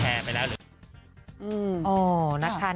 กับไม่ว่าจะเป็นคนตัดต่อหรือคนที่แชร์ไปแล้ว